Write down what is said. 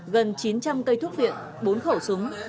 gần chín trăm linh cây thuốc viện bốn khẩu súng